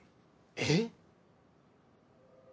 えっ！？